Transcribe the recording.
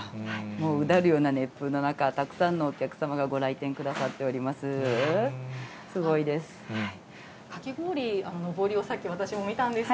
もううだるような熱風の中、たくさんのお客様がご来店くださっております。